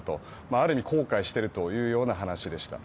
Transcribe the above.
ある意味後悔しているというような話でした。